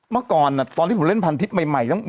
เมื่อก่อนตอนที่ผมเล่นพันทิพย์ใหม่